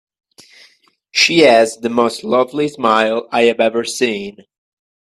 She has the most lovely smile I have ever seen.